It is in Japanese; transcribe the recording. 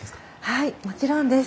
はいもちろんです。